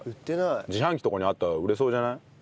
自販機とかにあったら売れそうじゃない？